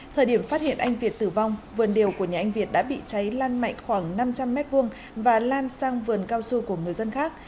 thời điểm phát hiện anh việt tử vong vườn điều của nhà anh việt đã bị cháy lan mạnh khoảng năm trăm linh m hai và lan sang vườn cao su của người dân khác